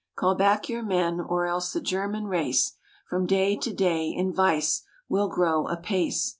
Call back your men, or else the German race From day to day in vice will grow apace.